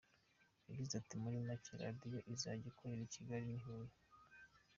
Yagize ati “Muri make, radiyo izajya ikorera i Kigali n’i Huye”.